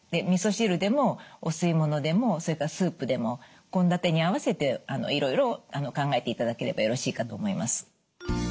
みそ汁でもお吸い物でもそれからスープでも献立に合わせていろいろ考えていただければよろしいかと思います。